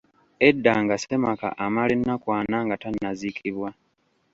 Edda nga ssemaka amala ennaku ana nga tannaziikibwa